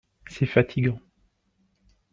C'est fatigant.